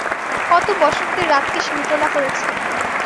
কত বসন্তের রাতকে সে উতলা করেছে।